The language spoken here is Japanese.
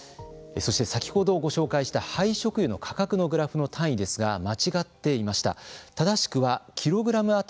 そして先ほどご紹介した廃食油の価格のグラフの単位ですが間違っていました。